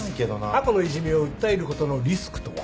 過去のいじめを訴えることのリスクとは？